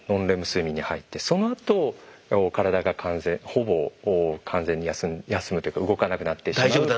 睡眠に入ってそのあと体が完全ほぼ完全に休むというか動かなくなってしまう。